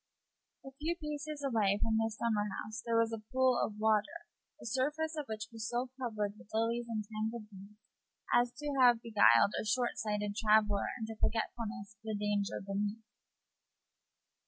A few paces away from this summerhouse there was a pool of water, the surface of which was so covered with lilies and tangled weeds as to have beguiled a short sighted traveller into forgetfulness of the danger beneath.